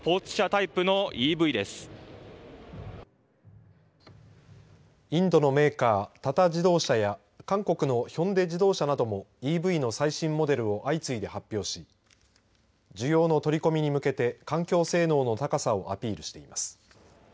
インドのメーカー、タタ自動車や韓国のヒョンデ自動車などもＥＶの最新モデルを相次いで発表し需要の取り込みに向けて環境性能の高さをアピールしています。